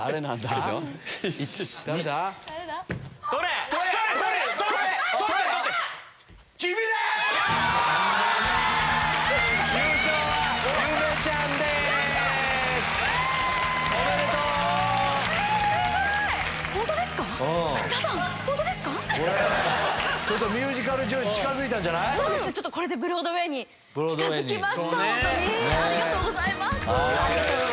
ありがとうございますありがと。